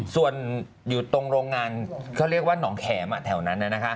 ส่วนอยู่ตรงโรงงานเขาเรียกว่าหนองแข็มแถวนั้น